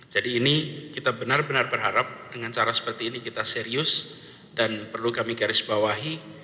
jadi ini kita benar benar berharap dengan cara seperti ini kita serius dan perlu kami garis bawahi